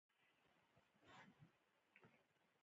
پرمختګ او لوړتیا د ښوونکو په کوښښ پورې اړه لري.